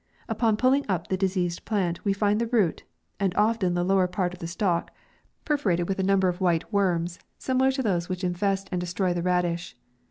Upon pulling up the diseased plant, we find the root, and often the lower part of the stalk, perforated with a number of white MAY. IIS worms, similar to those which infest and de stroy the radish.